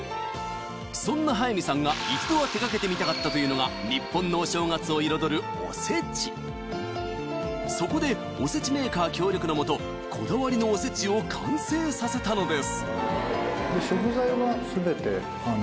そんな速水さんが一度は手掛けてみたかったというのがそこでおせちメーカー協力の下こだわりのおせちを完成させたのです